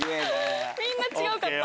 みんな違うかった。